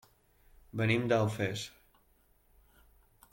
Venim d'Alfés.